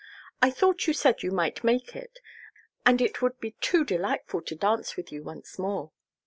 "I thought you said you might make it, and it would be too delightful to dance with you once more."